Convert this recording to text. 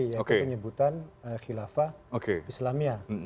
yaitu penyebutan khilafah islamiyah